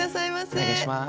お願いします。